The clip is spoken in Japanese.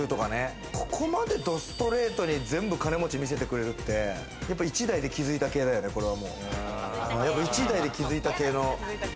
ここまでどストレートに全部、金持ち見せてくれるって、一代で築いた経営だよね、これは。